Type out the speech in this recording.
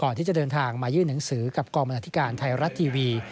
ก่อนที่จะเดินทางมายื่นหนังสือกับกองบรรณาธิการไทยรัฐทีวี